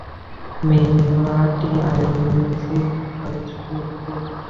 মেলাটির আয়োজক Messe Frankfurt.